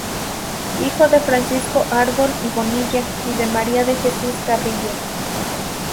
Hijo de Francisco Árbol y Bonilla y de María de Jesús Carrillo.